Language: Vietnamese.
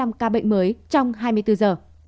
mức ca bệnh mới trong hai mươi bốn giờ